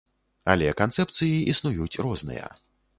Але канцэпцыі існуюць розныя.